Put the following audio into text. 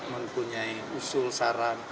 mempunyai usul saran